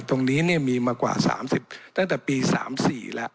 ตรงนี้มีมากว่า๓๐ตั้งแต่ปี๓๔แล้ว